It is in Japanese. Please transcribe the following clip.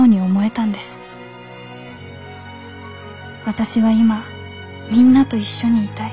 私は今みんなと一緒にいたい。